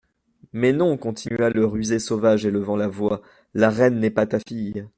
Mais non ! continua le rusé sauvage élevant la voix, la reine n'est pas ta fille.